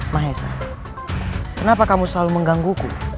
mahesa kenapa kamu selalu mengganggu ku